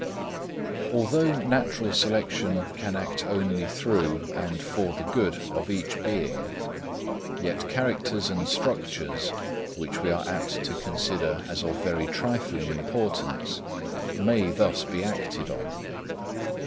Although natural selection can act only through and for the good of each being, yet characters and structures, which we are apt to consider as of very trifling importance, may thus be acted on.